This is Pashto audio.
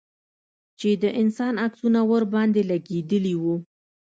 چې د انسان عکسونه ورباندې لگېدلي وو.